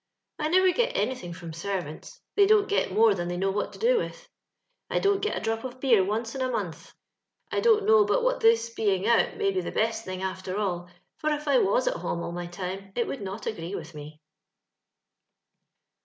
" I never get anything from servants ; they dont get mr»^ than they know what to do with. ^ I don't get a drop of beer once in a month. " I dont know but what this being oat may be the best t *ng, after all ; for if I was at home all my time, it woald not agree with me."